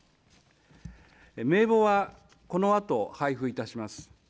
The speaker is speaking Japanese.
名簿はこのあと配布いたします。